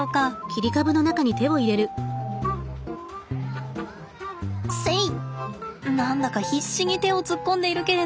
何だか必死に手を突っ込んでいるけれど。